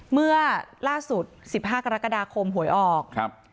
เมื่อล่าสุด๑๕กรกฎาคมหวยออกครับ